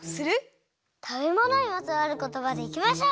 たべものにまつわることばでいきましょう！